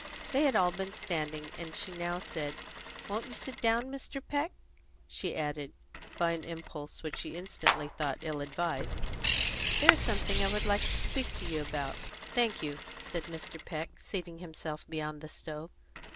They had all been standing, and she now said, "Won't you sit down, Mr. Peck?" She added, by an impulse which she instantly thought ill advised, "There is something I would like to speak to you about." "Thank you," said Mr. Peck, seating himself beyond the stove.